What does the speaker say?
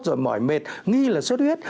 rồi mỏi mệt nghi là sốt huyết